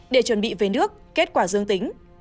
để chuẩn bị về nước kết quả dương tính